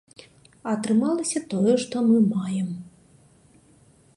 А атрымалася тое, што мы маем.